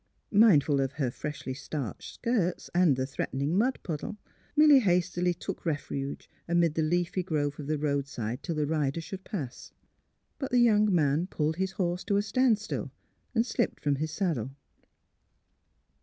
Mindful of her freshly starched skirts and the threatening mud puddle, Milly hastily took refuge amid the leafy growth of the roadside till the rider should pass. But the young man pulled his horse to a stand still, and slipped from his saddle.